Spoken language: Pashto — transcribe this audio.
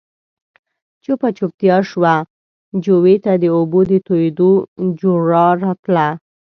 چوپه چوپتيا شوه، جووې ته د اوبو د تويېدو جورړا راتله.